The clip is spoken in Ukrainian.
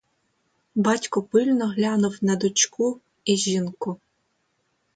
Батько пильно глянув на дочку і жінку.